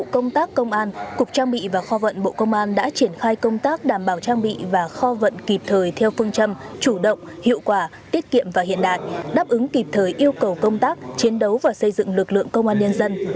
công tác công an cục trang bị và kho vận bộ công an đã triển khai công tác đảm bảo trang bị và kho vận kịp thời theo phương châm chủ động hiệu quả tiết kiệm và hiện đại đáp ứng kịp thời yêu cầu công tác chiến đấu và xây dựng lực lượng công an nhân dân